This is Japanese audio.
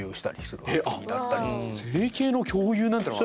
整形の共有なんてのが。